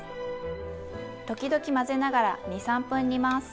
ときどき混ぜながら２３分煮ます。